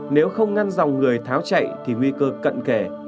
nếu không ngăn dòng người tháo chạy thì nguy cơ cận kể